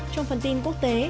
trong phần tin quốc tế